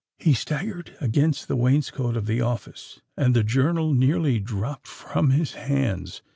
He staggered against the wainscot of the office, and the journal nearly dropped from his hands.